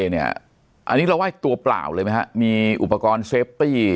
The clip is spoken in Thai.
อันนี้เราไห้ตัวเปล่าเลยไหมฮะมีอุปกรณ์เซฟตี้